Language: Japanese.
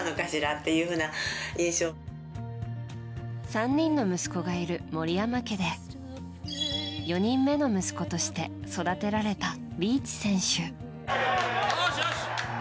３人の息子がいる森山家で４人目の息子として育てられたリーチ選手。